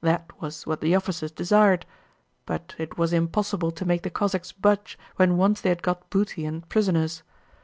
That was what the officers desired. But it was impossible to make the Cossacks budge when once they had got booty and prisoners.